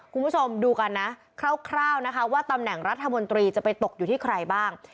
คุณผู้ชมดูกันนะคร่าวนะคะว่าตำแหน่งรัฐมนตรีจะไปตกอยู่ที่ใครบ้าง